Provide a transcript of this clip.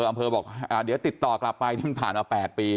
อำเภอบอกเดี๋ยวติดต่อกลับไปที่มันผ่านมา๘ปี